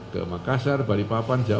ke makassar balikpapan jawa